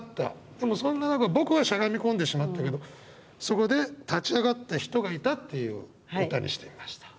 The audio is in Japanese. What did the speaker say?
でもそんな中僕はしゃがみ込んでしまったけどそこで立ち上がった人がいたっていう歌にしてみました。